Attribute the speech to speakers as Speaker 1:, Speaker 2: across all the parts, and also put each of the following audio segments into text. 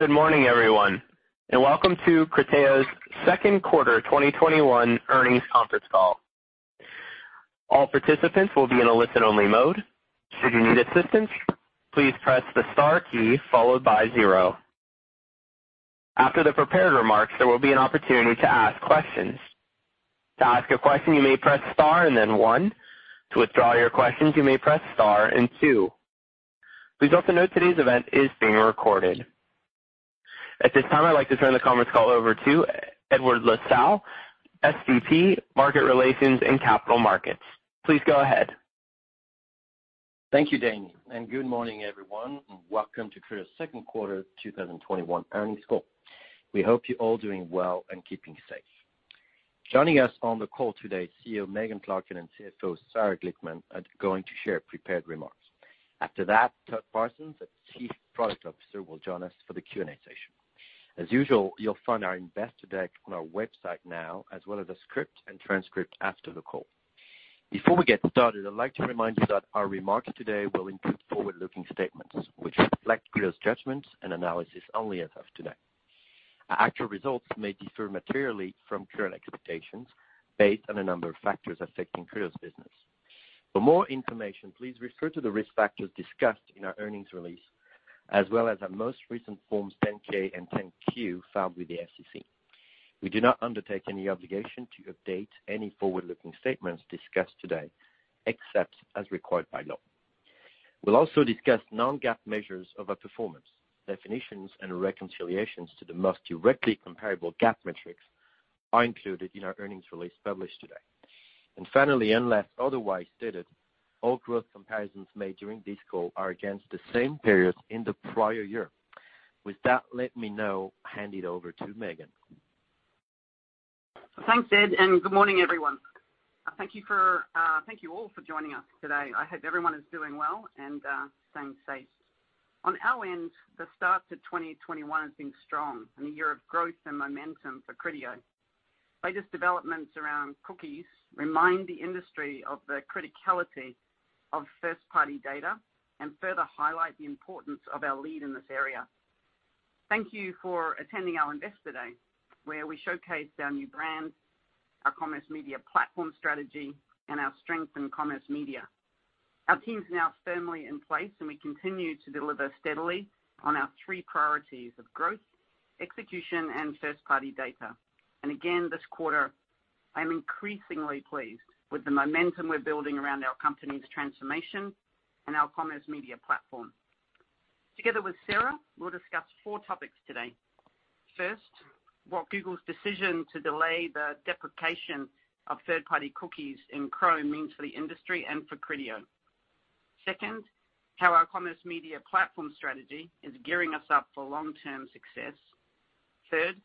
Speaker 1: Good morning, everyone, and welcome to Criteo's Second Quarter 2021 Earnings conference call. All participants will be in a listen-only mode. Should you need assistance, please press the star key followed by zero. After the prepared remarks, there will be an opportunity to ask questions. To ask a question, you may press star and then one. To withdraw your questions, you may press star and two. Please also note today's event is being recorded. At this time, I'd like to turn the conference call over to Edouard Lassalle, SVP, Market Relations and Capital Markets. Please go ahead.
Speaker 2: Thank you, Danny, and good morning, everyone, and welcome to Criteo's Second Quarter 2021 Earnings call. We hope you're all doing well and keeping safe. Joining us on the call today is CEO Megan Clarken and CFO Sarah Glickman, going to share prepared remarks. After that, Todd Parsons, the Chief Product Officer, will join us for the Q&A session. As usual, you'll find our investor deck on our website now, as well as a script and transcript after the call. Before we get started, I'd like to remind you that our remarks today will include forward-looking statements which reflect Criteo's judgments and analysis only as of today. Our actual results may differ materially from current expectations based on a number of factors affecting Criteo's business. For more information, please refer to the risk factors discussed in our earnings release, as well as our most recent Forms 10-K and 10-Q filed with the SEC. We do not undertake any obligation to update any forward-looking statements discussed today, except as required by law. We will also discuss non-GAAP measures of our performance. Definitions and reconciliations to the most directly comparable GAAP metrics are included in our earnings release published today. Finally, unless otherwise stated, all growth comparisons made during this call are against the same period in the prior year. With that, let me now hand it over to Megan.
Speaker 3: Thanks, Ed, and good morning, everyone. Thank you all for joining us today. I hope everyone is doing well and staying safe. On our end, the start to 2021 has been strong and a year of growth and momentum for Criteo. Latest developments around cookies remind the industry of the criticality of first-party data and further highlight the importance of our lead in this area. Thank you for attending our investor day, where we showcased our new brand, our Commerce Media Platform strategy, and our strength in commerce media. Our team's now firmly in place, and we continue to deliver steadily on our three priorities of growth, execution, and first-party data. This quarter, I'm increasingly pleased with the momentum we're building around our company's transformation and our Commerce Media Platform. Together with Sarah, we'll discuss four topics today. First, what Google's decision to delay the deprecation of third-party cookies in Chrome means for the industry and for Criteo. Second, how our Commerce Media Platform strategy is gearing us up for long-term success. Third,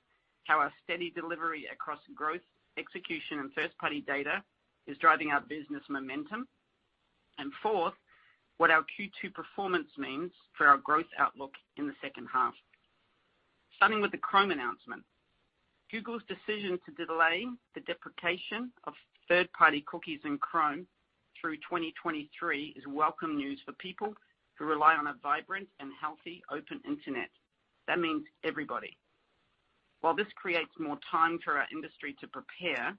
Speaker 3: how our steady delivery across growth, execution, and first-party data is driving our business momentum. Fourth, what our Q2 performance means for our growth outlook in the second half. Starting with the Chrome announcement, Google's decision to delay the deprecation of third-party cookies in Chrome through 2023 is welcome news for people who rely on a vibrant and healthy open internet. That means everybody. While this creates more time for our industry to prepare,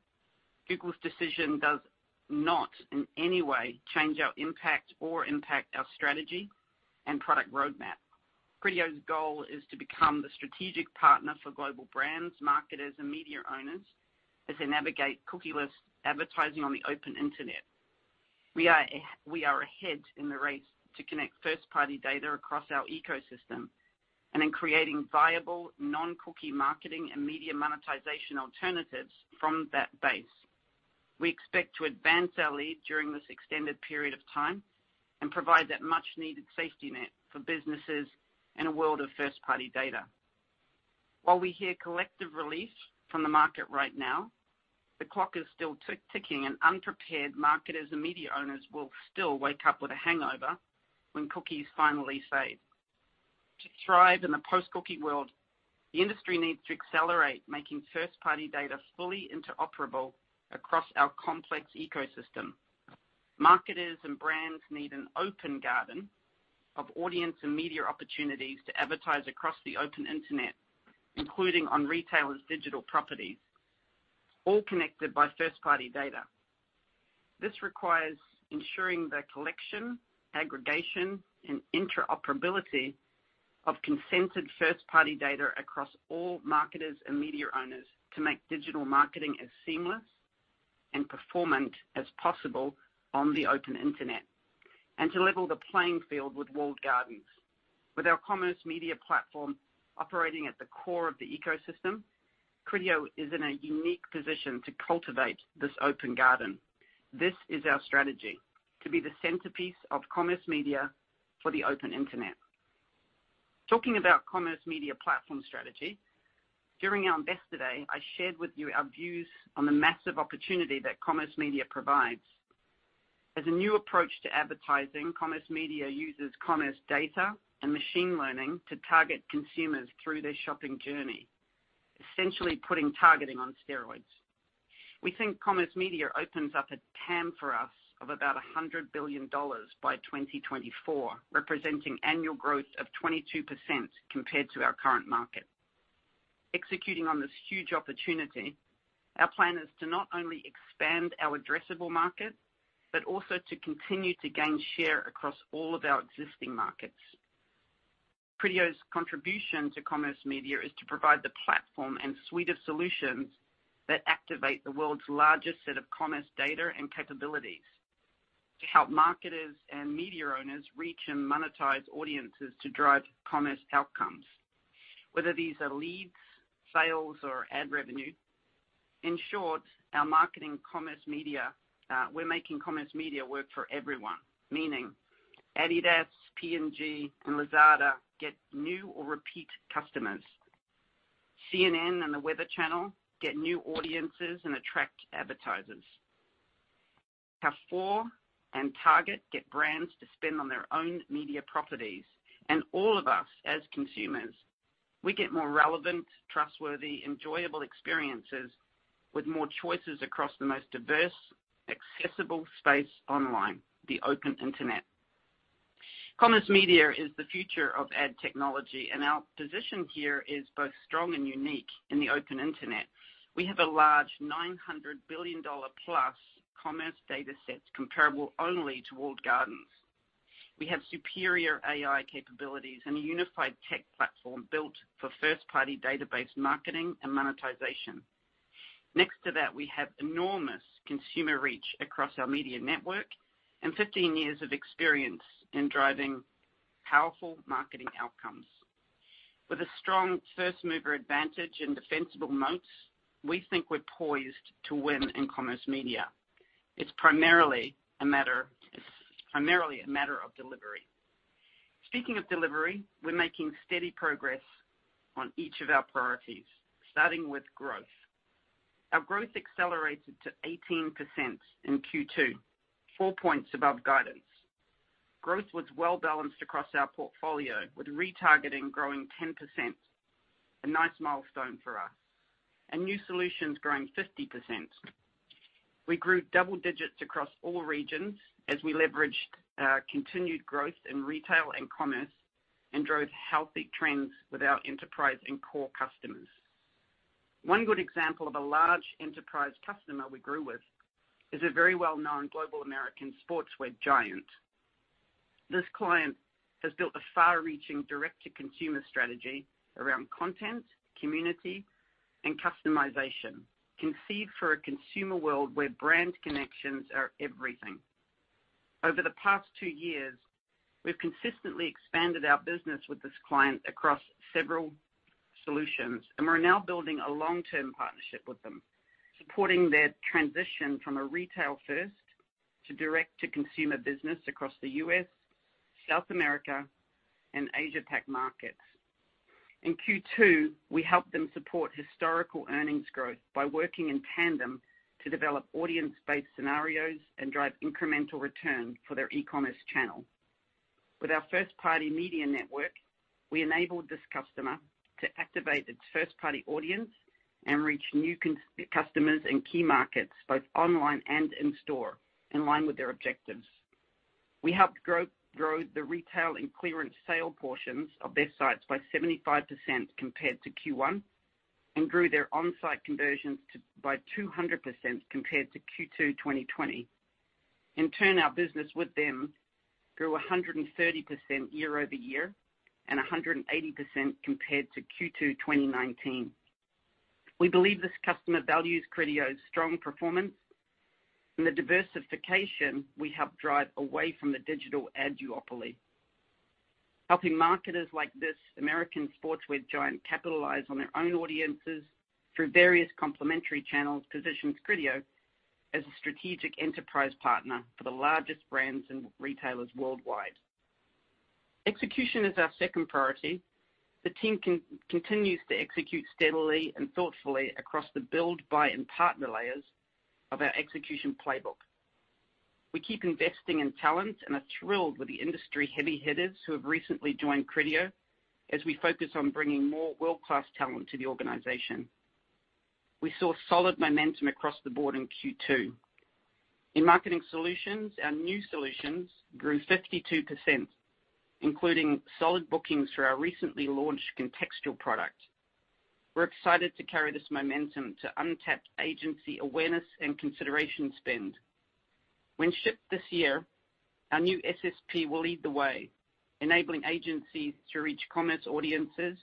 Speaker 3: Google's decision does not in any way change our impact or impact our strategy and product roadmap. Criteo's goal is to become the strategic partner for global brands, marketers, and media owners as they navigate cookieless advertising on the open internet. We are ahead in the race to connect first-party data across our ecosystem and in creating viable non-cookie marketing and media monetization alternatives from that base. We expect to advance our lead during this extended period of time and provide that much-needed safety net for businesses in a world of first-party data. While we hear collective relief from the market right now, the clock is still ticking, and unprepared marketers and media owners will still wake up with a hangover when cookies finally fade. To thrive in the post-cookie world, the industry needs to accelerate making first-party data fully interoperable across our complex ecosystem. Marketers and brands need an open garden of audience and media opportunities to advertise across the open internet, including on retailers' digital properties, all connected by first-party data. This requires ensuring the collection, aggregation, and interoperability of consented first-party data across all marketers and media owners to make digital marketing as seamless and performant as possible on the open internet, and to level the playing field with walled gardens. With our Commerce Media Platform operating at the core of the ecosystem, Criteo is in a unique position to cultivate this open garden. This is our strategy: to be the centerpiece of commerce media for the open internet. Talking about Commerce Media Platform strategy, during our investor day, I shared with you our views on the massive opportunity that commerce media provides. As a new approach to advertising, commerce media uses commerce data and machine learning to target consumers through their shopping journey, essentially putting targeting on steroids. We think commerce media opens up a TAM for us of about $100 billion by 2024, representing annual growth of 22% compared to our current market. Executing on this huge opportunity, our plan is to not only expand our addressable market but also to continue to gain share across all of our existing markets. Criteo's contribution to commerce media is to provide the platform and suite of solutions that activate the world's largest set of commerce data and capabilities to help marketers and media owners reach and monetize audiences to drive commerce outcomes, whether these are leads, sales, or ad revenue. In short, our marketing commerce media, we're making commerce media work for everyone, meaning Adidas, P&G, and Lazada get new or repeat customers. CNN and The Weather Channel get new audiences and attract advertisers. TOF4 and Target get brands to spend on their own media properties. All of us as consumers, we get more relevant, trustworthy, enjoyable experiences with more choices across the most diverse, accessible space online, the open internet. Commerce media is the future of ad technology, and our position here is both strong and unique in the open internet. We have a large $900 billion-plus commerce data set comparable only to walled gardens. We have superior AI capabilities and a unified tech platform built for first-party database marketing and monetization. Next to that, we have enormous consumer reach across our media network and 15 years of experience in driving powerful marketing outcomes. With a strong first-mover advantage and defensible moats, we think we're poised to win in commerce media. It's primarily a matter of delivery. Speaking of delivery, we're making steady progress on each of our priorities, starting with growth. Our growth accelerated to 18% in Q2, four points above guidance. Growth was well-balanced across our portfolio, with retargeting growing 10%, a nice milestone for us, and new solutions growing 50%. We grew double digits across all regions as we leveraged continued growth in retail and commerce and drove healthy trends with our enterprise and core customers. One good example of a large enterprise customer we grew with is a very well-known global American sportswear giant. This client has built a far-reaching direct-to-consumer strategy around content, community, and customization, conceived for a consumer world where brand connections are everything. Over the past two years, we've consistently expanded our business with this client across several solutions, and we're now building a long-term partnership with them, supporting their transition from a retail-first to direct-to-consumer business across the US, South America, and Asia-Pac markets. In Q2, we helped them support historical earnings growth by working in tandem to develop audience-based scenarios and drive incremental return for their e-commerce channel. With our first-party media network, we enabled this customer to activate its first-party audience and reach new customers and key markets both online and in-store in line with their objectives. We helped grow the retail and clearance sale portions of their sites by 75% compared to Q1 and grew their onsite conversions by 200% compared to Q2 2020. In turn, our business with them grew 130% year-over-year and 180% compared to Q2 2019. We believe this customer values Criteo's strong performance and the diversification we helped drive away from the digital ad duopoly, helping marketers like this American sportswear giant capitalize on their own audiences through various complementary channels. Positioning Criteo as a strategic enterprise partner for the largest brands and retailers worldwide. Execution is our second priority. The team continues to execute steadily and thoughtfully across the build, buy, and partner layers of our execution playbook. We keep investing in talent and are thrilled with the industry heavy hitters who have recently joined Criteo as we focus on bringing more world-class talent to the organization. We saw solid momentum across the board in Q2. In marketing solutions, our new solutions grew 52%, including solid bookings for our recently launched contextual product. We're excited to carry this momentum to untapped agency awareness and consideration spend. When shipped this year, our new SSP will lead the way, enabling agencies to reach commerce audiences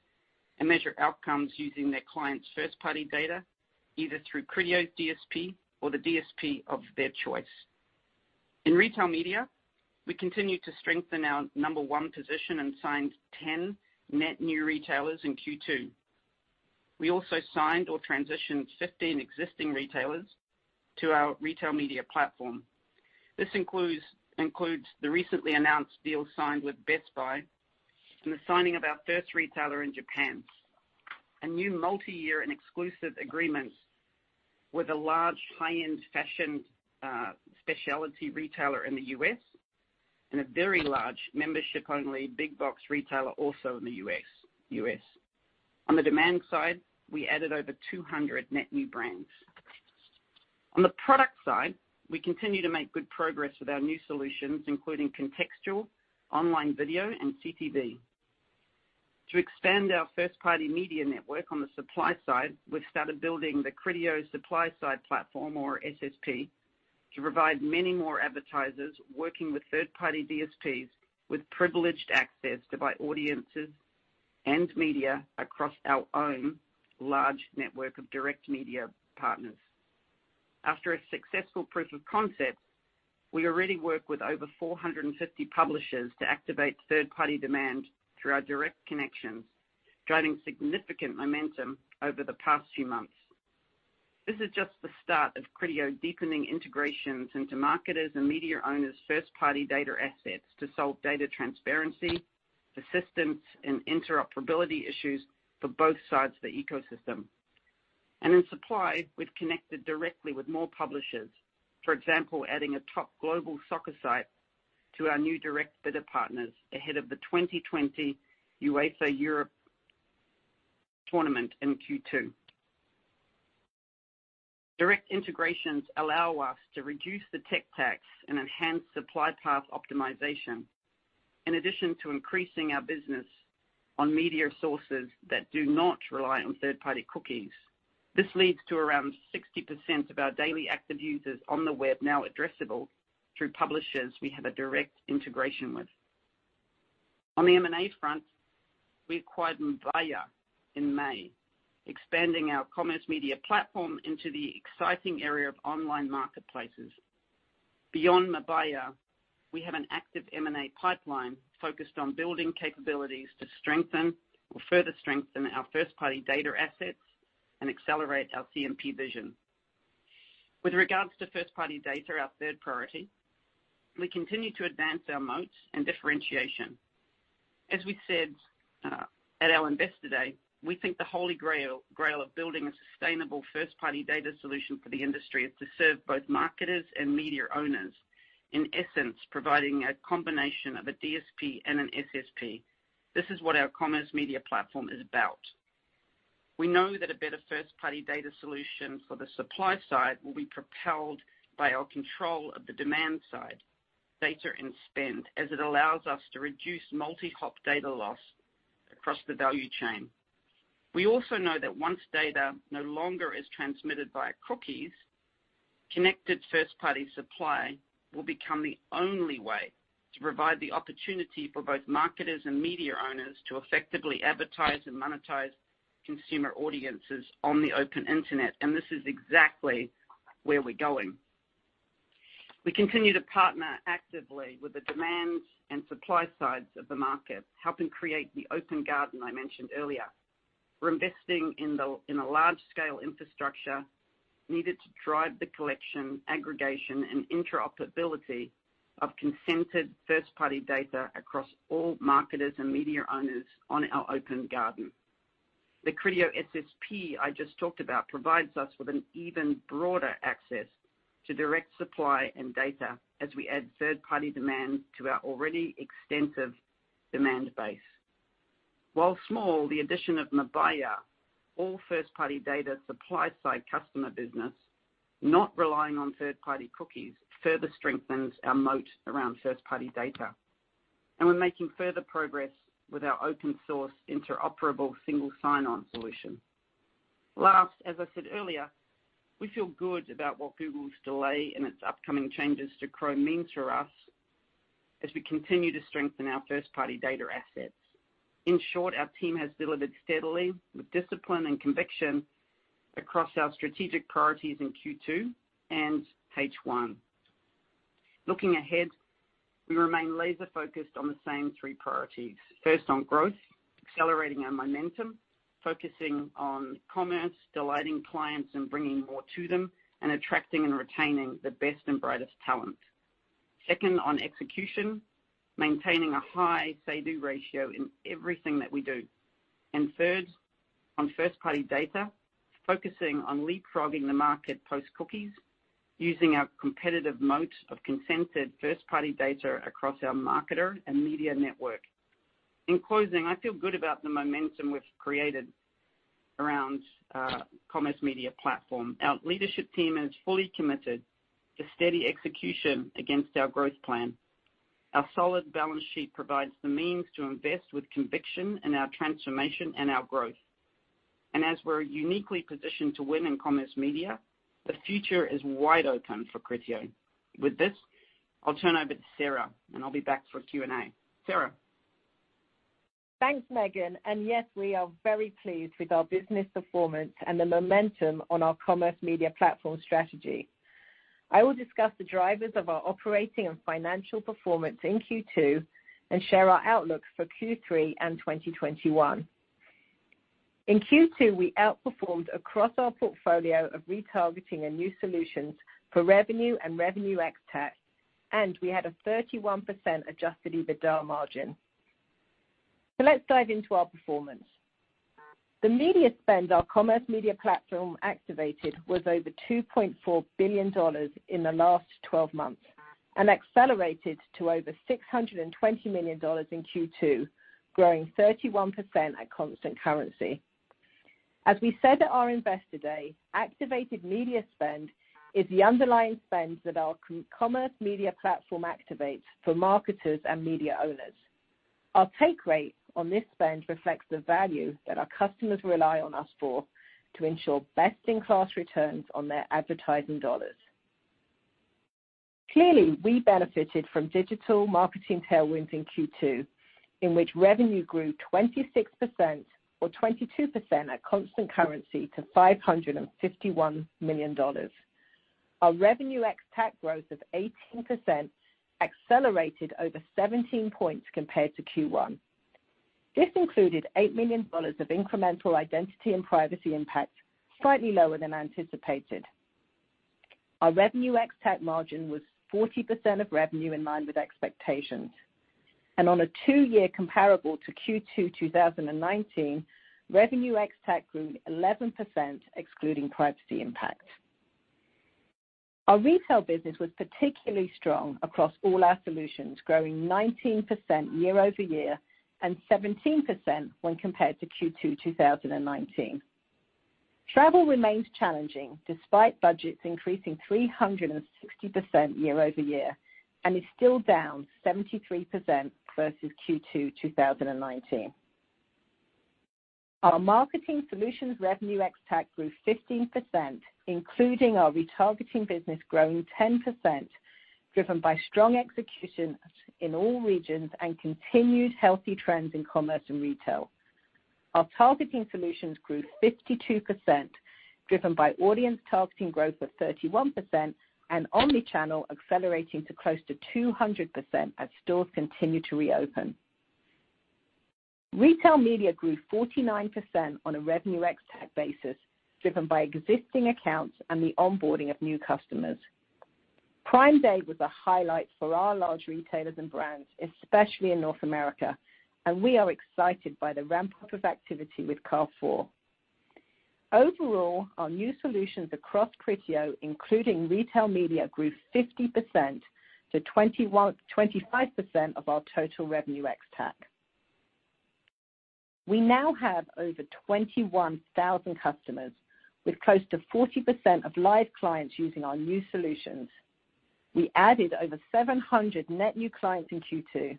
Speaker 3: and measure outcomes using their clients' first-party data, either through Criteo's DSP or the DSP of their choice. In retail media, we continue to strengthen our number one position and signed 10 net new retailers in Q2. We also signed or transitioned 15 existing retailers to our Retail Media Platform. This includes the recently announced deal signed with Best Buy and the signing of our first retailer in Japan, a new multi-year and exclusive agreement with a large high-end fashion specialty retailer in the US, and a very large membership-only big box retailer also in the US. On the demand side, we added over 200 net new brands. On the product side, we continue to make good progress with our new solutions, including contextual online video and CTV. To expand our first-party media network on the supply side, we've started building the Criteo Supply Side Platform, or SSP, to provide many more advertisers working with third-party DSPs with privileged access to buy audiences and media across our own large network of direct media partners. After a successful proof of concept, we already work with over 450 publishers to activate third-party demand through our direct connections, driving significant momentum over the past few months. This is just the start of Criteo deepening integrations into marketers and media owners' first-party data assets to solve data transparency, persistence, and interoperability issues for both sides of the ecosystem. In supply, we've connected directly with more publishers, for example, adding a top global soccer site to our new direct bidder partners ahead of the 2020 UEFA Europe tournament in Q2. Direct integrations allow us to reduce the tech tax and enhance supply path optimization, in addition to increasing our business on media sources that do not rely on third-party cookies. This leads to around 60% of our daily active users on the web now addressable through publishers we have a direct integration with. On the M&A front, we acquired Mabaya in May, expanding our Commerce Media Platform into the exciting area of online marketplaces. Beyond Mabaya, we have an active M&A pipeline focused on building capabilities to strengthen or further strengthen our first-party data assets and accelerate our CMP vision. With regards to first-party data, our third priority, we continue to advance our moats and differentiation. As we said at our investor day, we think the holy grail of building a sustainable first-party data solution for the industry is to serve both marketers and media owners, in essence providing a combination of a DSP and an SSP. This is what our Commerce Media Platform is about. We know that a better first-party data solution for the supply side will be propelled by our control of the demand side data and spend, as it allows us to reduce multi-hop data loss across the value chain. We also know that once data no longer is transmitted via cookies, connected first-party supply will become the only way to provide the opportunity for both marketers and media owners to effectively advertise and monetize consumer audiences on the open internet, and this is exactly where we're going. We continue to partner actively with the demand and supply sides of the market, helping create the open garden I mentioned earlier. We're investing in a large-scale infrastructure needed to drive the collection, aggregation, and interoperability of consented first-party data across all marketers and media owners on our open garden. The Criteo SSP I just talked about provides us with an even broader access to direct supply and data as we add third-party demand to our already extensive demand base. While small, the addition of Mabaya, all first-party data supply side customer business, not relying on third-party cookies, further strengthens our moat around first-party data. We're making further progress with our open-source interoperable single sign-on solution. Last, as I said earlier, we feel good about what Google's delay in its upcoming changes to Chrome means for us as we continue to strengthen our first-party data assets. In short, our team has delivered steadily with discipline and conviction across our strategic priorities in Q2 and H1. Looking ahead, we remain laser-focused on the same three priorities: first, on growth, accelerating our momentum, focusing on commerce, delighting clients and bringing more to them, and attracting and retaining the best and brightest talent; second, on execution, maintaining a high say-do ratio in everything that we do; and third, on first-party data, focusing on leapfrogging the market post-cookies, using our competitive moat of consented first-party data across our marketer and media network. In closing, I feel good about the momentum we've created around Commerce Media Platform. Our leadership team is fully committed to steady execution against our growth plan. Our solid balance sheet provides the means to invest with conviction in our transformation and our growth. As we're uniquely positioned to win in commerce media, the future is wide open for Criteo. With this, I'll turn over to Sarah, and I'll be back for a Q&A. Sarah.
Speaker 4: Thanks, Megan. Yes, we are very pleased with our business performance and the momentum on our commerce media platform strategy. I will discuss the drivers of our operating and financial performance in Q2 and share our outlook for Q3 and 2021. In Q2, we outperformed across our portfolio of retargeting and new solutions for revenue and revenue ex tech, and we had a 31% adjusted EBITDA margin. Let's dive into our performance. The media spend our commerce media platform activated was over $2.4 billion in the last 12 months and accelerated to over $620 million in Q2, growing 31% at constant currency. As we said at our investor day, activated media spend is the underlying spend that our Commerce Media Platform activates for marketers and media owners. Our take rate on this spend reflects the value that our customers rely on us for to ensure best-in-class returns on their advertising dollars. Clearly, we benefited from digital marketing tailwinds in Q2, in which revenue grew 26% or 22% at constant currency to $551 million. Our revenue ex tech growth of 18% accelerated over 17 percentage points compared to Q1. This included $8 million of incremental identity and privacy impact, slightly lower than anticipated. Our revenue ex tech margin was 40% of revenue in line with expectations. On a two-year comparable to Q2 2019, revenue ex tech grew 11%, excluding privacy impact. Our retail business was particularly strong across all our solutions, growing 19% year-over-year and 17% when compared to Q2 2019. Travel remains challenging despite budgets increasing 360% year-over-year and is still down 73% versus Q2 2019. Our marketing solutions revenue ex tech grew 15%, including our retargeting business, growing 10%, driven by strong execution in all regions and continued healthy trends in commerce and retail. Our targeting solutions grew 52%, driven by audience targeting growth of 31% and omnichannel accelerating to close to 200% as stores continue to reopen. Retail media grew 49% on a revenue ex tech basis, driven by existing accounts and the onboarding of new customers. Prime Day was a highlight for our large retailers and brands, especially in North America, and we are excited by the ramp-up of activity with Carrefour. Overall, our new solutions across Criteo, including retail media, grew 50% to 25% of our total revenue ex tech. We now have over 21,000 customers, with close to 40% of live clients using our new solutions. We added over 700 net new clients in Q2.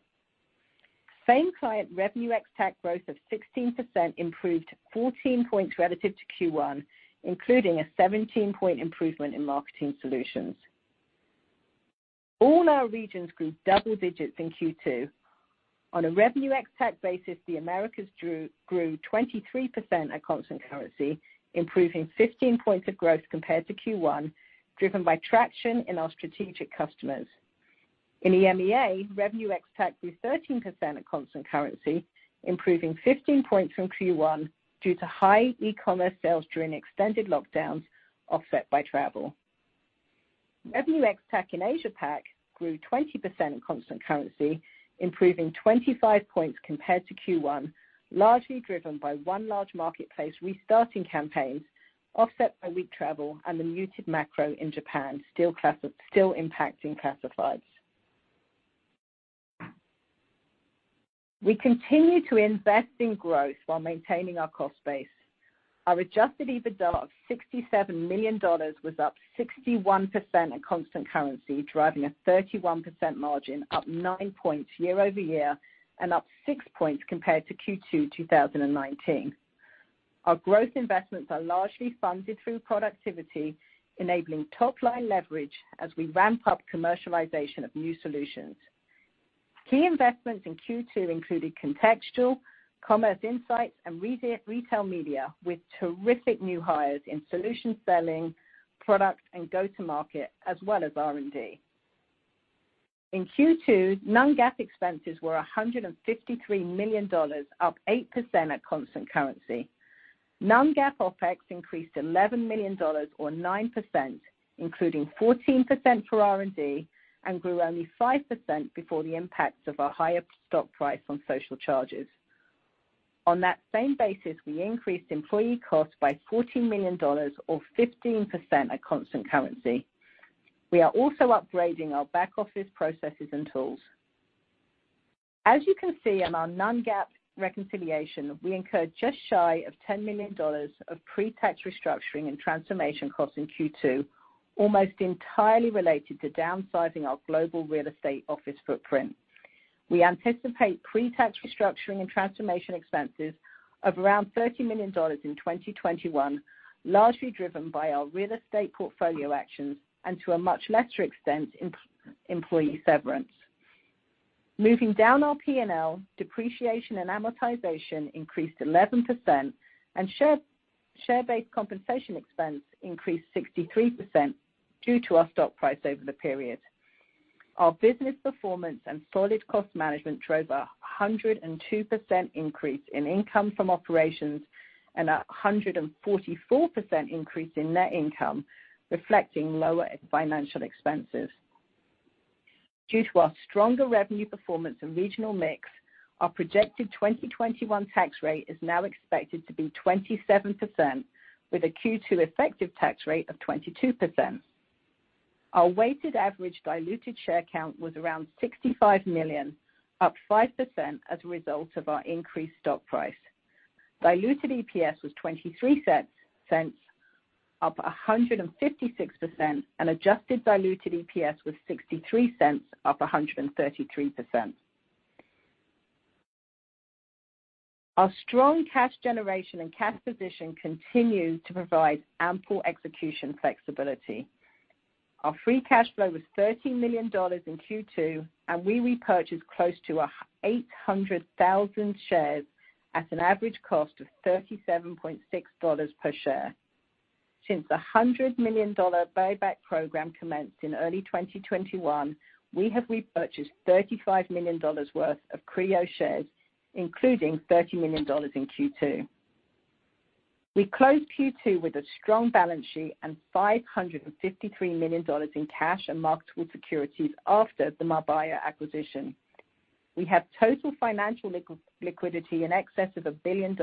Speaker 4: Same client revenue ex tech growth of 16% improved 14 percentage points relative to Q1, including a 17 percentage point improvement in marketing solutions. All our regions grew double digits in Q2. On a revenue ex tech basis, the Americas grew 23% at constant currency, improving 15 percentage points of growth compared to Q1, driven by traction in our strategic customers. In EMEA, revenue ex tech grew 13% at constant currency, improving 15 percentage points from Q1 due to high e-commerce sales during extended lockdowns offset by travel. Revenue ex tech in Asia-Pac grew 20% at constant currency, improving 25 percentage points compared to Q1, largely driven by one large marketplace restarting campaigns offset by weak travel and the muted macro in Japan, still impacting classifieds. We continue to invest in growth while maintaining our cost base. Our adjusted EBITDA of $67 million was up 61% at constant currency, driving a 31% margin, up 9 percentage points year-over-year and up 6 percentage points compared to Q2 2019. Our growth investments are largely funded through productivity, enabling top-line leverage as we ramp up commercialization of new solutions. Key investments in Q2 included Contextual, Commerce Insights, and Retail Media, with terrific new hires in solution selling, product, and go-to-market, as well as R&D. In Q2, non-GAAP expenses were $153 million, up 8% at constant currency. Non-GAAP OpEx increased $11 million, or 9%, including 14% for R&D, and grew only 5% before the impacts of our higher stock price on social charges. On that same basis, we increased employee costs by $14 million, or 15% at constant currency. We are also upgrading our back office processes and tools. As you can see in our non-GAAP reconciliation, we incurred just shy of $10 million of pre-tax restructuring and transformation costs in Q2, almost entirely related to downsizing our global real estate office footprint. We anticipate pre-tax restructuring and transformation expenses of around $30 million in 2021, largely driven by our real estate portfolio actions and, to a much lesser extent, employee severance. Moving down our P&L, depreciation and amortization increased 11%, and share-based compensation expense increased 63% due to our stock price over the period. Our business performance and solid cost management drove a 102% increase in income from operations and a 144% increase in net income, reflecting lower financial expenses. Due to our stronger revenue performance and regional mix, our projected 2021 tax rate is now expected to be 27%, with a Q2 effective tax rate of 22%. Our weighted average diluted share count was around 65 million, up 5% as a result of our increased stock price. Diluted EPS was $0.23, up 156%, and adjusted diluted EPS was $0.63, up 133%. Our strong cash generation and cash position continues to provide ample execution flexibility. Our free cash flow was $13 million in Q2, and we repurchased close to 800,000 shares at an average cost of $37.6 per share. Since the $100 million buyback program commenced in early 2021, we have repurchased $35 million worth of Criteo shares, including $30 million in Q2. We closed Q2 with a strong balance sheet and $553 million in cash and marketable securities after the Mabaya acquisition. We have total financial liquidity in excess of $1 billion,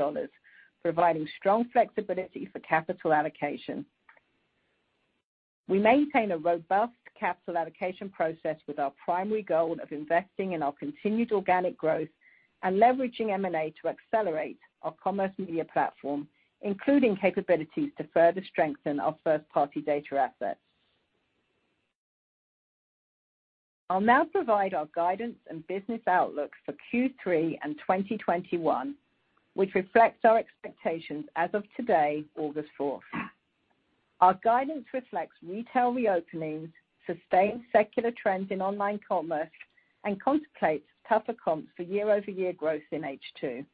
Speaker 4: providing strong flexibility for capital allocation. We maintain a robust capital allocation process with our primary goal of investing in our continued organic growth and leveraging M&A to accelerate our Commerce Media Platform, including capabilities to further strengthen our first-party data assets. I'll now provide our guidance and business outlook for Q3 and 2021, which reflects our expectations as of today, August 4. Our guidance reflects retail reopenings, sustained secular trends in online commerce, and contemplates tougher comps for year-over-year growth in H2.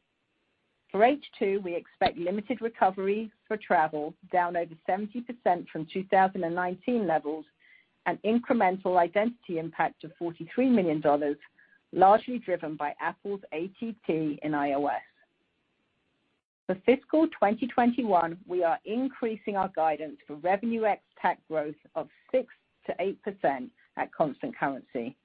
Speaker 4: For H2, we expect limited recovery for travel, down over 70% from 2019 levels, and incremental identity impact of $43 million, largely driven by Apple's App Tracking Transparency in iOS. For fiscal 2021, we are increasing our guidance for revenue ex tech growth of 6%-8% at constant currency.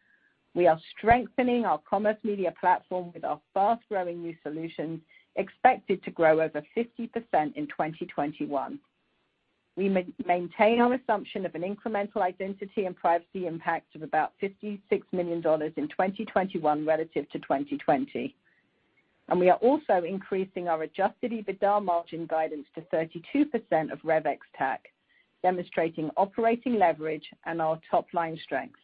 Speaker 4: We are strengthening our Commerce Media Platform with our fast-growing new solutions, expected to grow over 50% in 2021. We maintain our assumption of an incremental identity and privacy impact of about $56 million in 2021 relative to 2020. We are also increasing our adjusted EBITDA margin guidance to 32% of RevEx tech, demonstrating operating leverage and our top-line strength.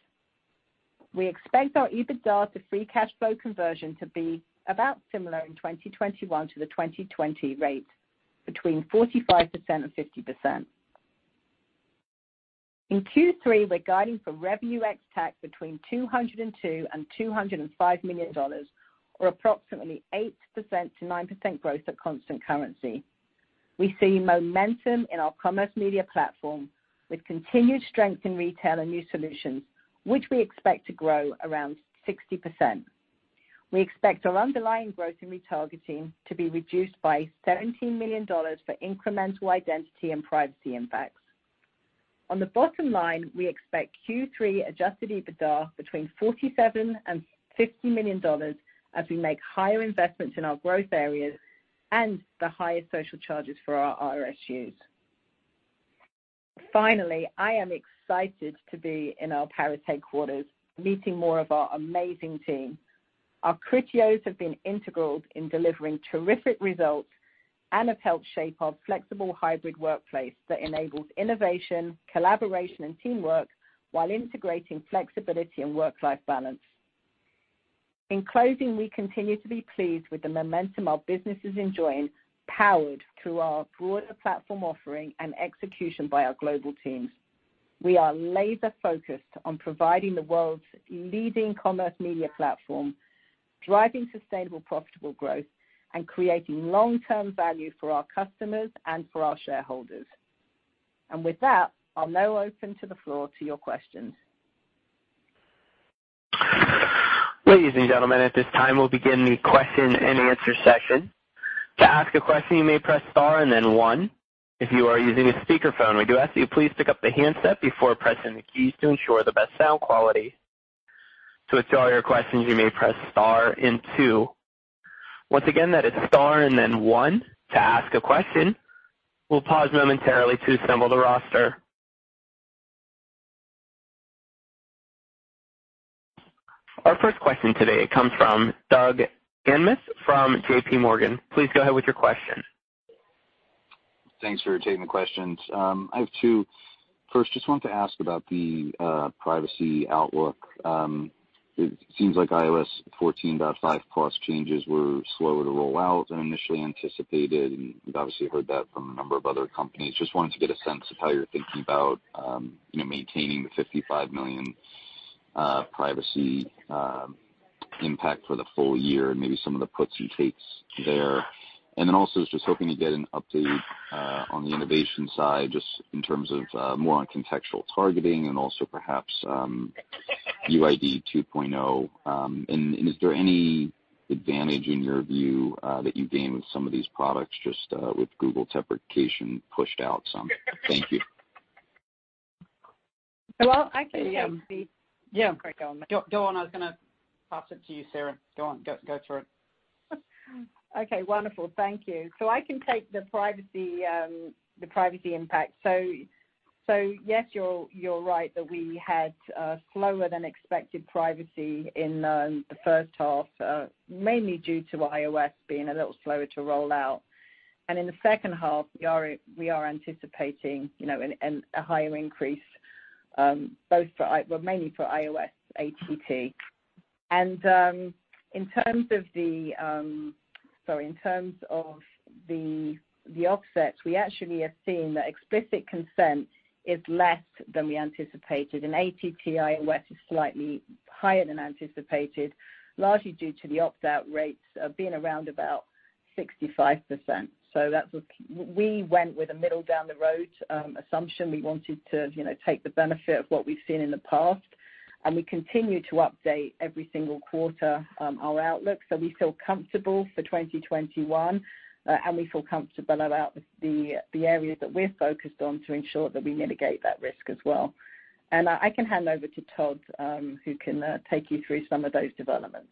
Speaker 4: We expect our EBITDA to free cash flow conversion to be about similar in 2021 to the 2020 rate, between 45%-50%. In Q3, we are guiding for revenue ex tech between $202-$205 million, or approximately 8%-9% growth at constant currency. We see momentum in our Commerce Media Platform with continued strength in retail and new solutions, which we expect to grow around 60%. We expect our underlying growth in Retargeting to be reduced by $17 million for incremental identity and privacy impacts. On the bottom line, we expect Q3 adjusted EBITDA between $47 and $50 million as we make higher investments in our growth areas and the higher social charges for our RSUs. Finally, I am excited to be in our Paris headquarters, meeting more of our amazing team. Our Criteo have been integral in delivering terrific results and have helped shape our flexible hybrid workplace that enables innovation, collaboration, and teamwork while integrating flexibility and work-life balance. In closing, we continue to be pleased with the momentum our business is enjoying, powered through our broader platform offering and execution by our global teams. We are laser-focused on providing the world's leading Commerce Media Platform, driving sustainable profitable growth, and creating long-term value for our customers and for our shareholders. I'll now open the floor to your questions.
Speaker 1: Ladies and gentlemen, at this time, we'll begin the question and answer session. To ask a question, you may press star and then one. If you are using a speakerphone, we do ask that you please pick up the handset before pressing the keys to ensure the best sound quality. To withdraw your questions, you may press star and two. Once again, that is star and then one to ask a question. We'll pause momentarily to assemble the roster. Our first question today comes from Doug Anmuth from JPMorgan. Please go ahead with your question.
Speaker 5: Thanks for taking the questions. I have two. First, just wanted to ask about the privacy outlook. It seems like iOS 14.5 Plus changes were slower to roll out than initially anticipated, and we've obviously heard that from a number of other companies. Just wanted to get a sense of how you're thinking about maintaining the $55 million privacy impact for the full year and maybe some of the puts and takes there. Also, just hoping to get an update on the innovation side, just in terms of more on contextual targeting and also perhaps UID 2.0. Is there any advantage, in your view, that you gain with some of these products, just with Google deprecation pushed out some? Thank you.
Speaker 3: I can see—yeah, go on. Go on. I was going to pass it to you, Sarah. Go on. Go through it.
Speaker 4: Okay. Wonderful. Thank you. I can take the privacy impact. Yes, you're right that we had slower-than-expected privacy in the first half, mainly due to iOS being a little slower to roll out. In the second half, we are anticipating a higher increase, mainly for iOS ATP. In terms of the offsets, we actually have seen that explicit consent is less than we anticipated. In ATP, iOS is slightly higher than anticipated, largely due to the opt-out rates being around about 65%. We went with a middle-down-the-road assumption. We wanted to take the benefit of what we've seen in the past. We continue to update every single quarter our outlook. We feel comfortable for 2021, and we feel comfortable about the areas that we're focused on to ensure that we mitigate that risk as well. I can hand over to Todd, who can take you through some of those developments.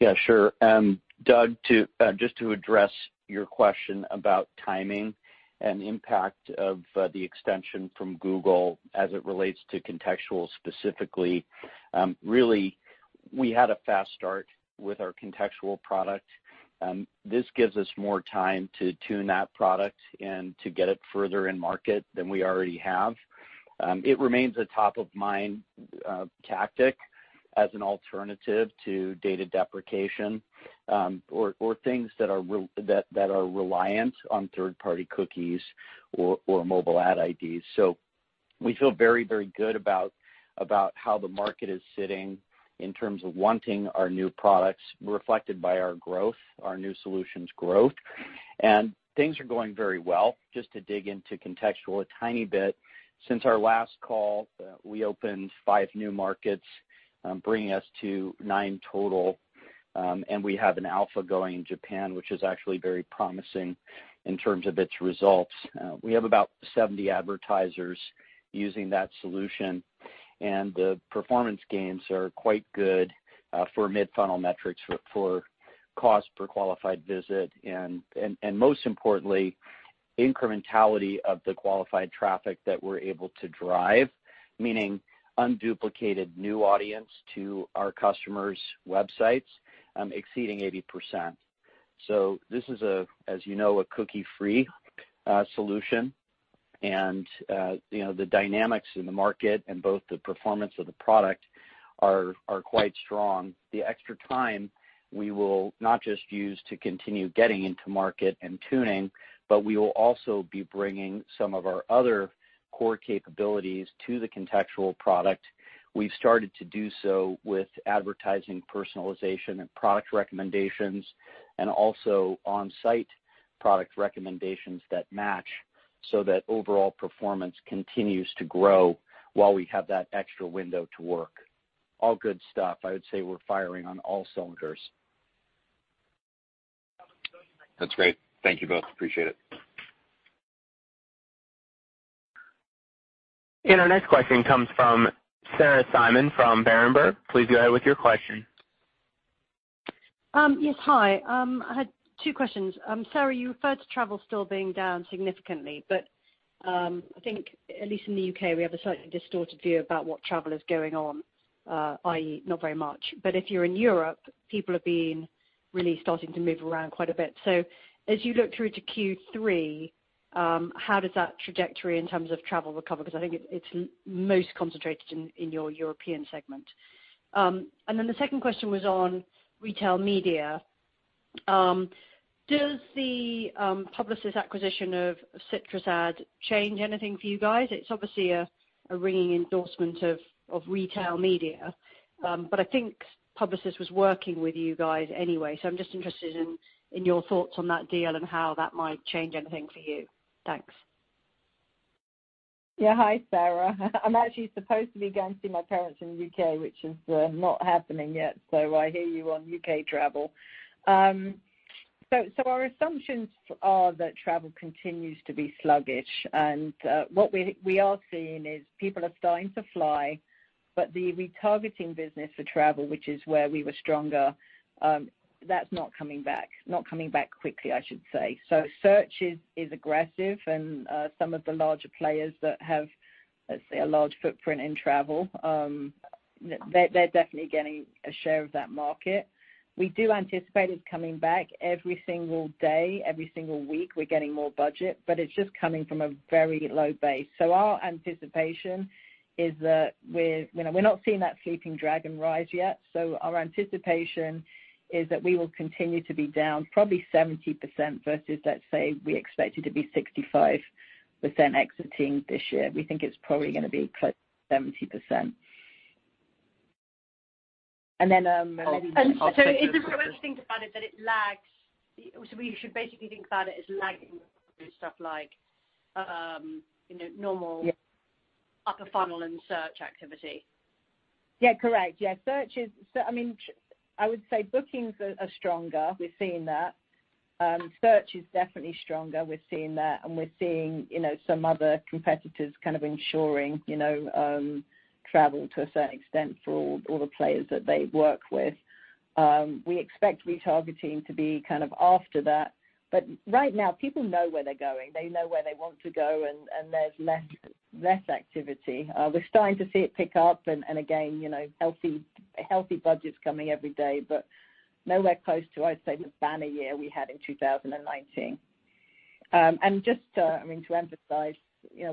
Speaker 6: Yeah, sure. Doug, just to address your question about timing and impact of the extension from Google as it relates to contextual specifically, really, we had a fast start with our contextual product. This gives us more time to tune that product and to get it further in market than we already have. It remains a top-of-mind tactic as an alternative to data deprecation or things that are reliant on third-party cookies or mobile ad IDs. We feel very, very good about how the market is sitting in terms of wanting our new products, reflected by our growth, our new solutions' growth. Things are going very well. Just to dig into contextual a tiny bit, since our last call, we opened five new markets, bringing us to nine total. We have an alpha going in Japan, which is actually very promising in terms of its results. We have about 70 advertisers using that solution. The performance gains are quite good for mid-funnel metrics for cost per qualified visit. Most importantly, incrementality of the qualified traffic that we're able to drive, meaning unduplicated new audience to our customers' websites, exceeding 80%. This is, as you know, a cookie-free solution. The dynamics in the market and both the performance of the product are quite strong. The extra time we will not just use to continue getting into market and tuning, but we will also be bringing some of our other core capabilities to the contextual product. We've started to do so with advertising personalization and product recommendations and also on-site product recommendations that match so that overall performance continues to grow while we have that extra window to work. All good stuff. I would say we're firing on all cylinders.
Speaker 5: That's great. Thank you both. Appreciate it.
Speaker 1: Our next question comes from Sarah Simon from Berenberg. Please go ahead with your question.
Speaker 7: Yes, hi. I had two questions. Sarah, you referred to travel still being down significantly, but I think, at least in the U.K., we have a slightly distorted view about what travel is going on, i.e., not very much. If you're in Europe, people are really starting to move around quite a bit. As you look through to Q3, how does that trajectory in terms of travel recover? I think it's most concentrated in your European segment. The second question was on retail media. Does the Publicis acquisition of CitrusAd change anything for you guys? It's obviously a ringing endorsement of retail media. I think Publicis was working with you guys anyway. I'm just interested in your thoughts on that deal and how that might change anything for you. Thanks.
Speaker 4: Yeah. Hi, Sarah. I'm actually supposed to be going to see my parents in the U.K., which is not happening yet. I hear you on U.K. travel. Our assumptions are that travel continues to be sluggish. What we are seeing is people are starting to fly, but the retargeting business for travel, which is where we were stronger, that's not coming back. Not coming back quickly, I should say. Search is aggressive, and some of the larger players that have, let's say, a large footprint in travel, they're definitely getting a share of that market. We do anticipate it's coming back every single day, every single week. We're getting more budget, but it's just coming from a very low base. Our anticipation is that we're not seeing that sleeping dragon rise yet. Our anticipation is that we will continue to be down probably 70% versus, let's say, we expected to be 65% exiting this year. We think it's probably going to be close to 70%. Maybe— Sorry. It's a real interesting thing to find that it lags. We should basically think about it as lagging stuff like normal upper funnel and search activity. Yeah, correct. Yeah. Search is—I mean, I would say bookings are stronger. We've seen that. Search is definitely stronger. We've seen that. We're seeing some other competitors kind of ensuring travel to a certain extent for all the players that they work with. We expect retargeting to be kind of after that. Right now, people know where they're going. They know where they want to go, and there's less activity. We're starting to see it pick up. I mean, healthy budgets coming every day, but nowhere close to, I'd say, the banner year we had in 2019. I mean, to emphasize,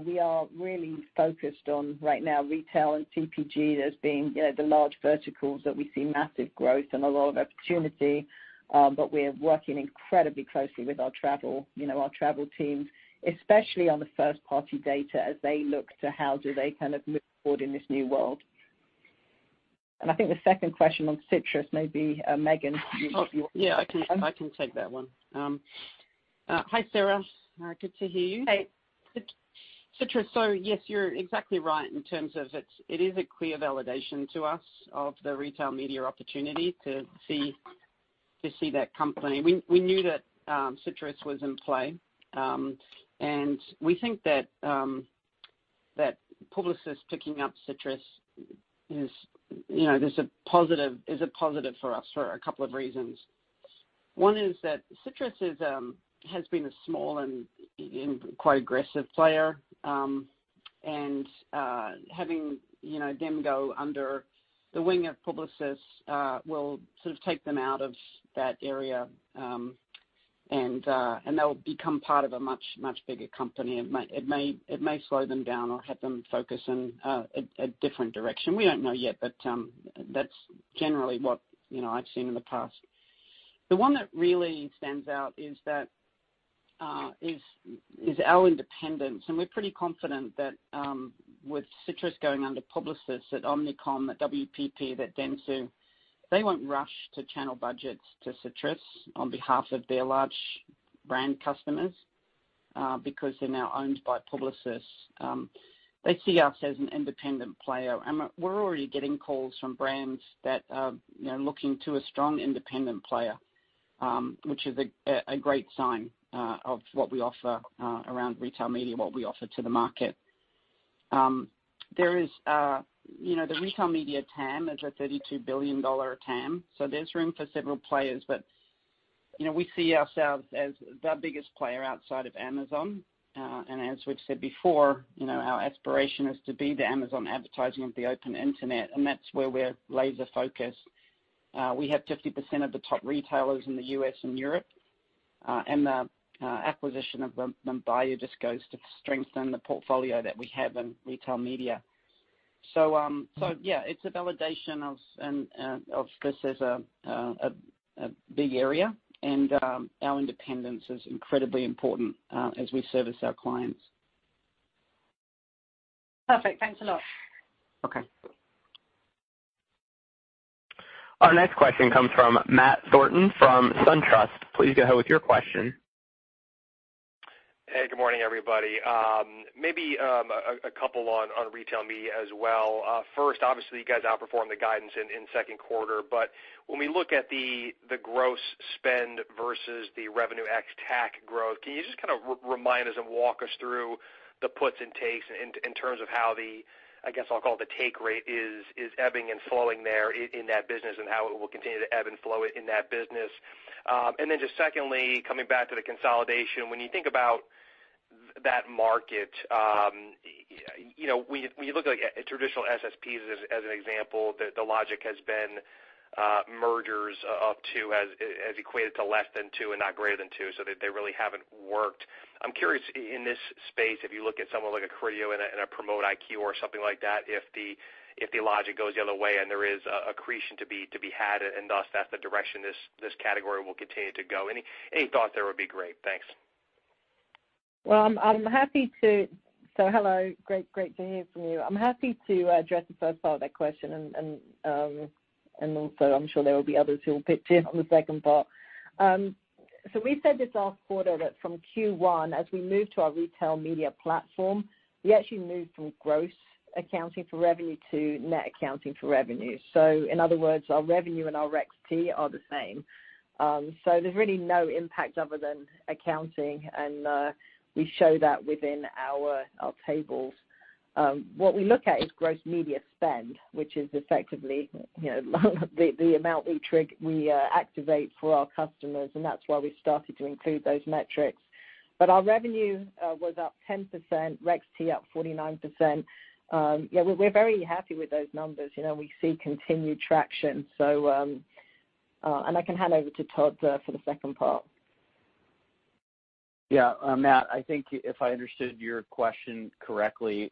Speaker 4: we are really focused on right now retail and TPG as being the large verticals that we see massive growth and a lot of opportunity. We're working incredibly closely with our travel teams, especially on the first-party data as they look to how do they kind of move forward in this new world. I think the second question on Citrus may be Megan, if you want to take that one.
Speaker 3: Yeah, I can take that one. Hi, Sarah. Good to hear you. Hey. Citrus, so yes, you're exactly right in terms of it is a clear validation to us of the retail media opportunity to see that company. We knew that Citrus was in play. We think that Publicis picking up CitrusAd is a positive for us for a couple of reasons. One is that CitrusAd has been a small and quite aggressive player. Having them go under the wing of Publicis will sort of take them out of that area. They will become part of a much, much bigger company. It may slow them down or have them focus in a different direction. We do not know yet, but that is generally what I have seen in the past. The one that really stands out is our independence. We are pretty confident that with CitrusAd going under Publicis, at Omnicom, at WPP, at Dentsu, they will not rush to channel budgets to CitrusAd on behalf of their large brand customers because they are now owned by Publicis. They see us as an independent player. We're already getting calls from brands that are looking to a strong independent player, which is a great sign of what we offer around retail media, what we offer to the market. The retail media TAM is a $32 billion TAM. There is room for several players. We see ourselves as the biggest player outside of Amazon. As we've said before, our aspiration is to be the Amazon advertising of the open internet. That's where we're laser-focused. We have 50% of the top retailers in the US and Europe. The acquisition of them by you just goes to strengthen the portfolio that we have in retail media. Yeah, it's a validation of this as a big area. Our independence is incredibly important as we service our clients.
Speaker 7: Perfect. Thanks a lot.
Speaker 3: Okay.
Speaker 1: Our next question comes from Matt Thornton from SunTrust. Please go ahead with your question.
Speaker 8: Hey, good morning, everybody. Maybe a couple on retail media as well. First, obviously, you guys outperformed the guidance in second quarter. When we look at the gross spend versus the revenue ex tax growth, can you just kind of remind us and walk us through the puts and takes in terms of how the, I guess I'll call it the take rate is ebbing and flowing there in that business and how it will continue to ebb and flow in that business? Just secondly, coming back to the consolidation, when you think about that market, when you look at traditional SSPs as an example, the logic has been mergers up to as equated to less than two and not greater than two. They really haven't worked. I'm curious, in this space, if you look at someone like a Criteo and a Promote IQ or something like that, if the logic goes the other way and there is accretion to be had, and thus that's the direction this category will continue to go. Any thoughts there would be great. Thanks.
Speaker 4: I'm happy to—hello. Great to hear from you. I'm happy to address the first part of that question. I'm sure there will be others who will pitch in on the second part. We said this last quarter that from Q1, as we move to our Retail Media Platform, we actually moved from gross accounting for revenue to net accounting for revenue. In other words, our revenue and our XP are the same. There's really no impact other than accounting. We show that within our tables. What we look at is gross media spend, which is effectively the amount we activate for our customers. That is why we started to include those metrics. Our revenue was up 10%, XP up 49%. Yeah, we are very happy with those numbers. We see continued traction. I can hand over to Todd for the second part.
Speaker 6: Yeah. Matt, I think if I understood your question correctly,